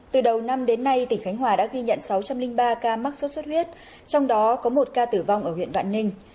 từ đầu năm đến nay tỉnh khánh hòa đã ghi nhận sáu trăm linh ba ca mắc sốt xuất huyết trong đó có một ca tử vong ở huyện vạn ninh